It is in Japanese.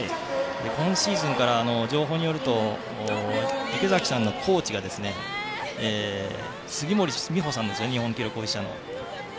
今シーズンから情報によると池崎さんのコーチが杉森美保さんですね日本記録保持者の。